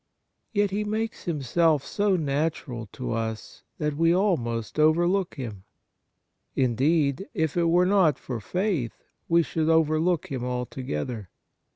Yet He makes Himself so natural to us that we almost overlook Him. Indeed, if it were not for faith we should overlook Him altogether.